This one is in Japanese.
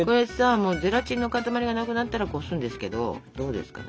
ゼラチンの塊がなくなったらこすんですけどどうですかね？